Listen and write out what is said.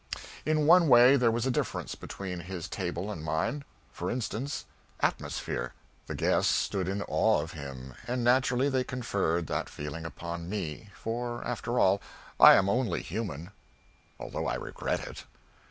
In one way there was a difference between his table and mine for instance, atmosphere; the guests stood in awe of him, and naturally they conferred that feeling upon me, for, after all, I am only human, although I regret it.